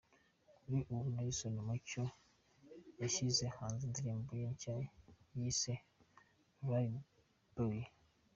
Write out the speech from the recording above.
Kuri ubu Nelson Mucyo yashyize hanze indirimbo ye nshya yise 'Rya Buye'.